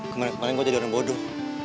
kemarin gue jadi orang bodoh